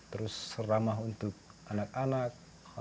terus ramah untuk anak anak